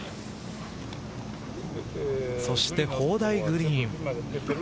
そして砲台グリーン。